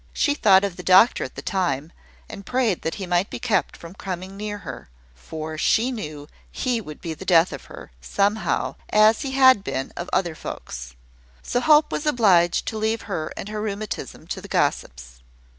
She thought of the doctor at the time, and prayed that he might be kept from coming near her; for she knew he would be the death of her, somehow, as he had been of other folks. So Hope was obliged to leave her and her rheumatism to the gossips.